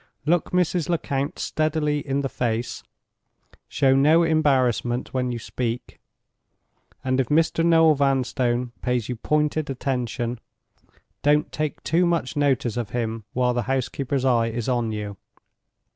Look Mrs. Lecount steadily in the face; show no embarrassment when you speak; and if Mr. Noel Vanstone pays you pointed attention, don't take too much notice of him while his housekeeper's eye is on you.